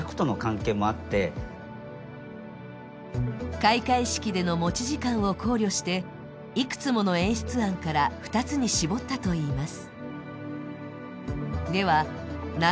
開会式での持ち時間を考慮して、いくつもの演出案から２つに絞ったといいます。